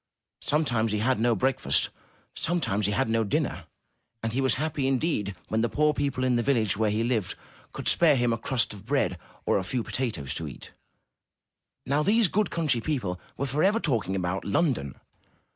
Sometimes he had no breakfast; sometimes he had no dinner; and he was happy in deed when the poor people in the village where he lived could spare him a crust of bread or a few potatoes to eat. Now, these good country people were forever talking about London.